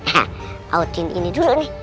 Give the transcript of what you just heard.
hautin ini dulu nih